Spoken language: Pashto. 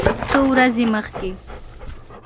څو ورځې مخکې